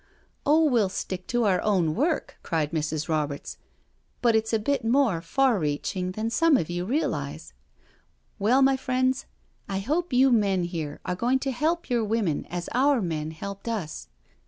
" Oh, we'll stick to our own work," cried Mrs. Roberts, " but it's a bit more far reaching than some of you realise. Well, my friends, I hope you men here are going to help your women as our men helped us.